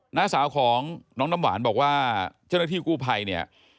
หน้าสาวของน้องน้ำหวานบอกว่าเจ้าหน้าที่กู้ภัยเนี่ย